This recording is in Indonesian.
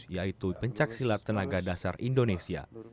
yaitu pencak silat tenaga dasar indonesia